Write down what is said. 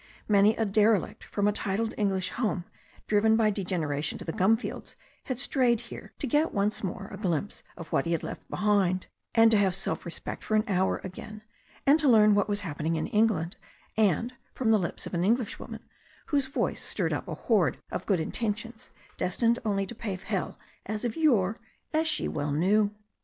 Many a derelict from a titled English home, driven by degenera tion to the gum fields, had strayed there, to get once more a glimpse of what he had left behind, to have self respect for an hour again, and to learn what was happening in England from the lips of an Englishwoman, whose voice stirred up a horde of good intentions, destined only to pave hell as of yore, as well she knew.